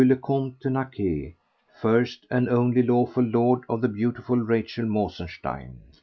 le Comte de Naquet, first and only lawful lord of the beautiful Rachel Mosenstein.